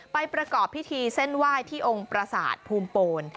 ประกอบพิธีเส้นไหว้ที่องค์ประสาทภูมิโปน